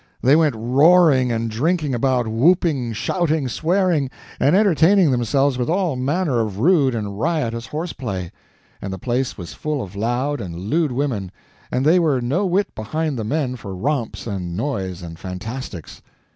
They went roaring and drinking about, whooping, shouting, swearing, and entertaining themselves with all manner of rude and riotous horse play; and the place was full of loud and lewd women, and they were no whit behind the men for romps and noise and fantastics.